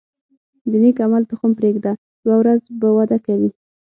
د نیک عمل تخم پرېږده، یوه ورځ به وده کوي.